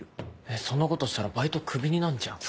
えっそんなことしたらバイトクビになんじゃん。